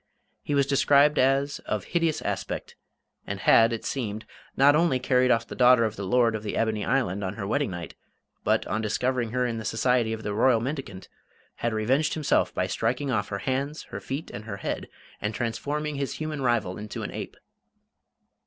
He was described as "of hideous aspect," and had, it seemed, not only carried off the daughter of the Lord of the Ebony Island on her wedding night, but, on discovering her in the society of the Royal Mendicant, had revenged himself by striking off her hands, her feet, and her head, and transforming his human rival into an ape.